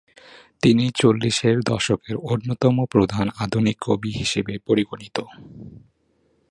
তিনি চল্লিশের দশকের অন্যতম প্রধান আধুনিক কবি হিসেবে পরিগণিত।